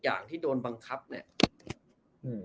อย่างที่โดนบังคับเนี่ยอืม